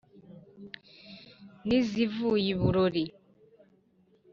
n'izivuye i burori,